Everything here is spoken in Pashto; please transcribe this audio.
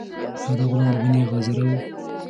آیا دا غلام د بني غاضرة و؟